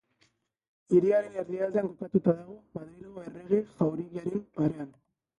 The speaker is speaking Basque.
Hiriaren erdialdean kokatuta dago, Madrilgo Errege Jauregiaren parean.